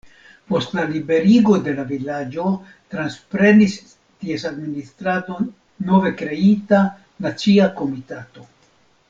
Post la liberigo de la vilaĝo transprenis ties administradon nove kreita nacia komitato.